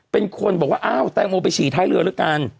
เป็นคนบอกว่าอ้าวแตงโมไปฉี่ท้ายเรือแล้วกัน